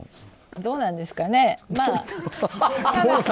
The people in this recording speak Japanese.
どうなんですかね。